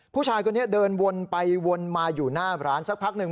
ผู้ชายคนนี้เดินวนไปวนมาอยู่หน้าร้านสักพักหนึ่ง